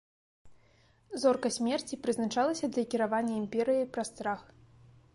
Зорка смерці прызначалася для кіравання імперыяй праз страх.